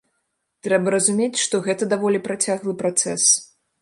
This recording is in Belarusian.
Трэба разумець, што гэта даволі працяглы працэс.